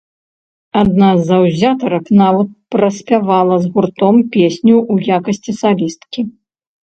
Адна з заўзятарак нават праспявала з гуртом песню ў якасці салісткі.